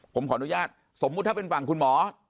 ผมขออนุญาตสมมุติถ้าเป็นฝั่งคุณหมอ